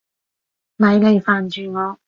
咪嚟煩住我！